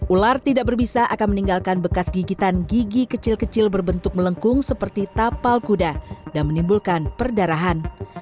ular tidak berbisa akan meninggalkan bekas gigitan gigi kecil kecil berbentuk melengkung seperti tapal kuda dan menimbulkan perdarahan